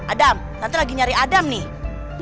adam nanti lagi nyari adam nih